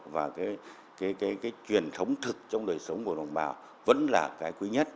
và cái truyền thống thực trong đời sống của đồng bào vẫn là cái quý nhất